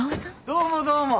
どうもどうも。